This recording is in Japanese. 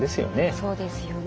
そうですよね。